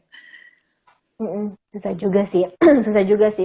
susah juga sih